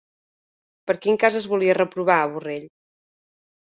Per quin cas es volia reprovar a Borrell?